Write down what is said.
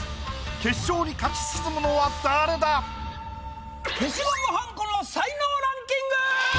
決勝に勝ち進むのは誰だ⁉消しゴムはんこの才能ランキング！